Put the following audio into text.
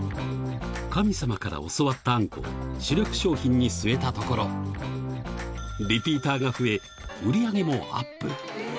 神様から教わったあんこを、主力商品に据えたところ、リピーターが増え、売り上げもアップ。